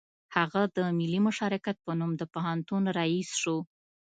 هغه د ملي مشارکت په نوم د پوهنتون رییس شو